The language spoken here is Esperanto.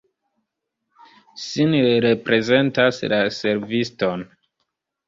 Sin reprezentas la serviston.